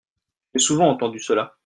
J'ai souvent entendu cela.